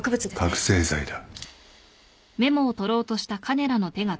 覚醒剤だ。